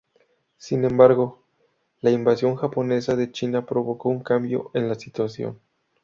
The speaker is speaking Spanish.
Sin embargo, la invasión japonesa de China provocó un cambio en la situación.